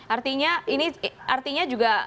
artinya ini artinya juga